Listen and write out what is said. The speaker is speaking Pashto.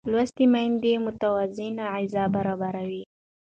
لوستې میندې متوازنه غذا برابروي.